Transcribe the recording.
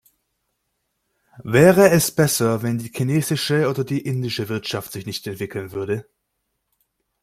Wäre es besser, wenn die chinesische oder die indische Wirtschaft sich nicht entwickeln würde?